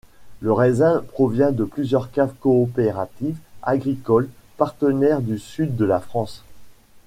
Le raisin provient de plusieurs caves coopératives agricoles partenaires du sud de la France.